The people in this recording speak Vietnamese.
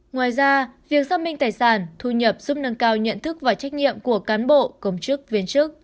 ngoài ra việc xác minh tài sản thu nhập giúp nâng cao nhận thức và trách nhiệm của cán bộ công chức viên chức